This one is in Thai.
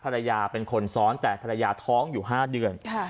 ภรรยาเป็นคนซ้อนแต่ภรรยาท้องอยู่๕เดือน